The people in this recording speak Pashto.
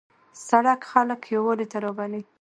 سړک خلک یووالي ته رابولي.